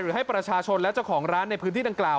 ให้ประชาชนและเจ้าของร้านในพื้นที่ดังกล่าว